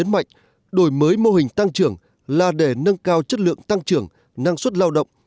mô hình tăng trường là để nâng cao chất lượng tăng trường năng suất lao động